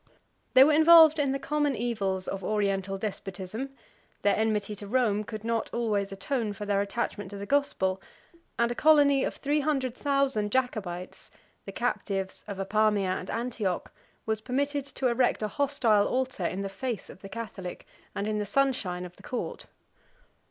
They were involved in the common evils of Oriental despotism: their enmity to Rome could not always atone for their attachment to the gospel: and a colony of three hundred thousand Jacobites, the captives of Apamea and Antioch, was permitted to erect a hostile altar in the face of the catholic, and in the sunshine of the court.